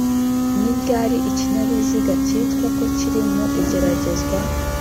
ni ryari ikinyabiziga cyitwa ko kiri mu igeragezwa